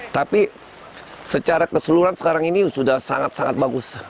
tapi secara keseluruhan sekarang ini sudah sangat sangat bagus